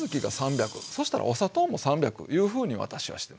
そしたらお砂糖も３００いうふうに私はしてる。